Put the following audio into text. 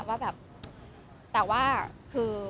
ว่าแบบแต่ว่าคือ